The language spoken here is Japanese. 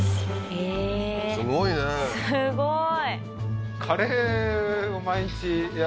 へえーすごいねすごい！